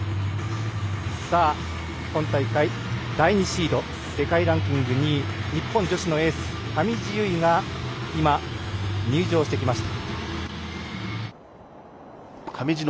今大会第２シード世界ランキング２位日本女子のエース、上地結衣が今、入場してきました。